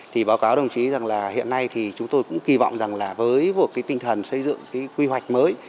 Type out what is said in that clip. thì báo cáo đồng chí rằng là hiện nay thì chúng tôi cũng kỳ vọng rằng là với một cái tinh thần xây dựng cái quy hoạch mới